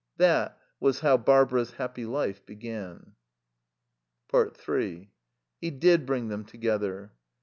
That was how Barbara's happy life began. 3 He did bring them together.